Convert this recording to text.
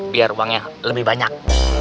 biar uangnya lebih banyak